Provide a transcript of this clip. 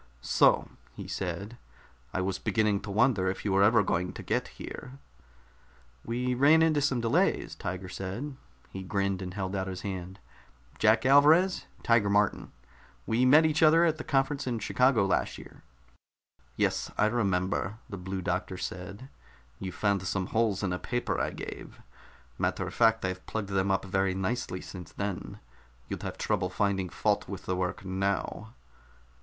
"So!" he said. "I was beginning to wonder if you were ever going to get here." "We ran into some delays," Tiger said. He grinned and held out his hand. "Jack Alvarez? Tiger Martin. We met each other at that conference in Chicago last year." "Yes, I remember," the Blue Doctor said. "You found some holes in a paper I gave. Matter of fact, I've plugged them up very nicely since then. You'd have trouble finding fault with the work now."